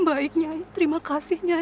baik nyai terima kasih nyai